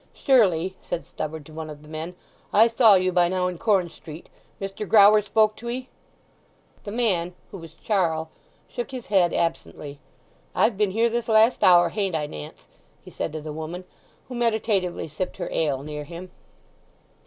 "Surely," said Stubberd to one of the men, "I saw you by now in Corn Street—Mr. Grower spoke to 'ee?" The man, who was Charl, shook his head absently. "I've been here this last hour, hain't I, Nance?" he said to the woman who meditatively sipped her ale near him.